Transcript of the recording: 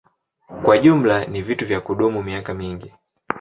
Kwa jumla ni vitu vya kudumu miaka mingi.